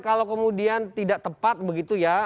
kalau kemudian tidak tepat begitu ya